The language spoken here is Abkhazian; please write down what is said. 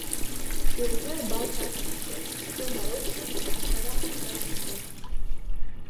Уажәы абарҭ аҷкәынцәа схы нарықәкны аҳәара ҟасҵар сҭахуп…